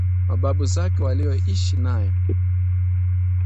mababu zakewalioishi nayo